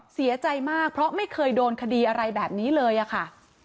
เสียใจมากเพราะไม่เคยโดนคดีอะไรแบบนี้เลยอะค่ะ